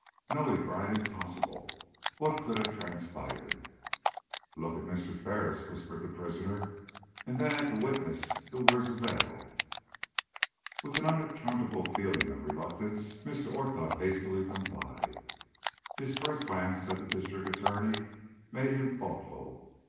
"No," he cried; "impossible! What could have transpired?" "Look at Mr. Ferris," whispered the prisoner, "and then at the witness who wears a veil." With an unaccountable feeling of reluctance, Mr. Orcutt hastily complied. His first glance at the District Attorney made him thoughtful.